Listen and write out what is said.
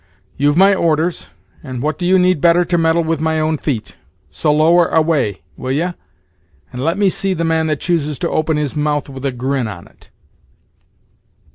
"You've my orders, and what do you need better to meddle with my own feet? so lower away, will ye, and let me see the man that chooses to open his mouth with a grin on it."